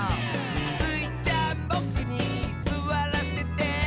「スイちゃんボクにすわらせて？」